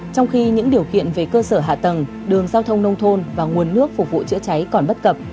trong khi những điều kiện về cơ sở hạ tầng đường giao thông nông thôn và nguồn nước phục vụ chữa cháy còn bất cập